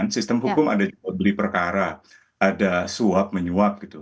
sistem hukum ada jual beli perkara ada suap menyuap gitu